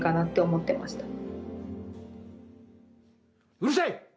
うるさい！